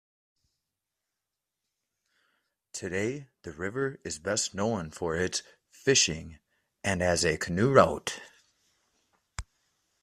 Today the river is best known for its fishing and as a canoe route.